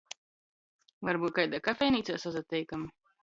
Varbyut kaidā kafejneicā sasateikam?